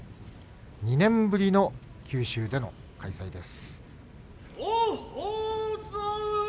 ２年ぶりの九州での開催です。